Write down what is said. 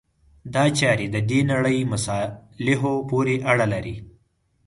دا چارې د دې نړۍ مصالحو پورې اړه لري.